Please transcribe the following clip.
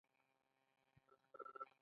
آیا د چيندرو لوبه د نجونو نه ده؟